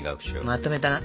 まとめたな。